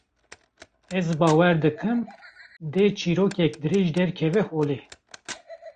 Ez bawer dikim, dê çîrokek dirêj derkeve holê